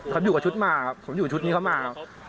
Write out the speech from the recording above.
เขาอยู่กับชุดมากครับผมอยู่กับชุดนี้ก็มากครับ